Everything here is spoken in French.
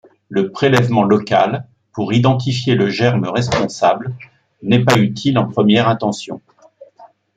Le prélèvement local, pour identifier le germe responsable, n'est pas utile en première intention.